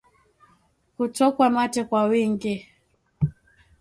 Kutokwa mate kwa wingi